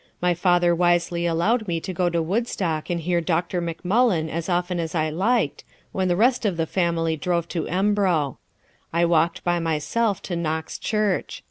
My father wisely allowed me to go to Woodstock and hear Dr. McMullen as often as I liked, when the rest of the family drove to Embro. I walked by myself to Knox church.